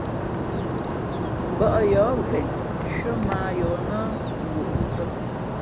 Mbᾱʼ yǒh ven nshʉ́ά mά ā yǒh nά ngǔʼnzᾱ.